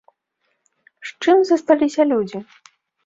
З чым засталіся людзі?